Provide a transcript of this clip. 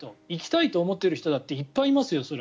生きたいと思っている人だっていっぱいいますよ